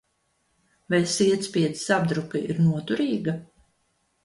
Vai sietspiedes apdruka ir noturīga?